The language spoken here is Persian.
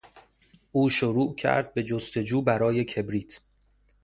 او شروع کرد به جستجو برای کبریت.